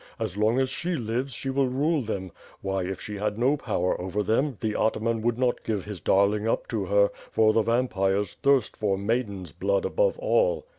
As long as she lives, she will rule them Why, if she had no power over them, the Ataman would not give his darling up to her; for the vampires thirst for maiden's blood above all."